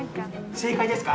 正解ですか？